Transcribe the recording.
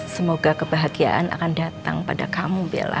semoga kebahagiaan akan datang pada kamu bella